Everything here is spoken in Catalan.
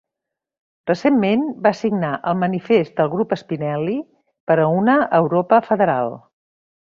Recentment, va signar el Manifest del Grup Spinelli per a una Europa federal.